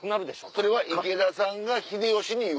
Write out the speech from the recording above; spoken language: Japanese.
それは池田さんが秀吉に言う？